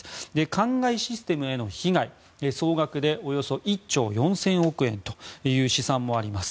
灌漑システムへの被害総額で１兆４０００億円という試算もあります。